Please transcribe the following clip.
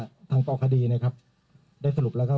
ส่วนบุคคลที่จะถูกดำเนินคดีมีกี่คนและจะมีพี่เต้ด้วยหรือเปล่า